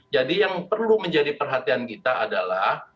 jadi yang perlu menjadi perhatian kita adalah